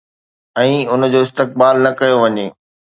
۽ ان جو استقبال نه ڪيو وڃي.